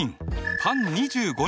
パン２５人。